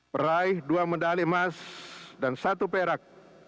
peraih dua medali emas dan satu perak